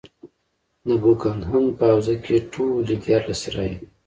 د بوکنګهم په حوزه کې ټولې دیارلس رایې.